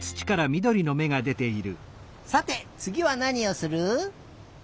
さてつぎはなにをする？